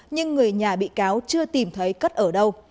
nhưng người nhà bị cáo chưa tìm thấy cất ở đâu